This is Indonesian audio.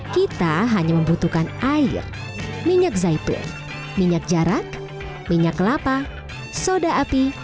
kita hanya membutuhkan air minyak zaitun minyak jarak minyak kelapa soda api